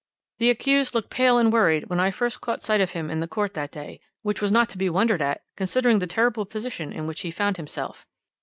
"The accused looked pale and worried when I first caught sight of him in the court that day, which was not to be wondered at, considering the terrible position in which he found himself.